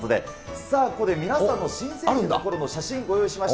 さあ、ここで皆さんの新成人のころの写真、ご用意しました。